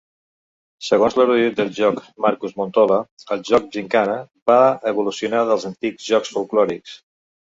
Segons l'erudit del joc Markus Montola, el joc-gimcana va evolucionar dels antics jocs folklòrics.